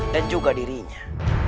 dan juga dirinya